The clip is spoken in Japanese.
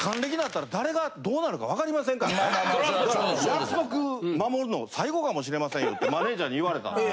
約束守るの最後かもしれませんよってマネージャーに言われたんで。